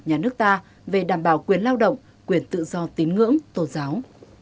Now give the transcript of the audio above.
nhà nước ta về đảm bảo quyền lao động quyền tự do tín ngưỡng tôn giáo